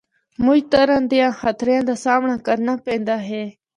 مُچ طرح دیاں خطریاں دا سامنڑا کرنا پیندا ہے۔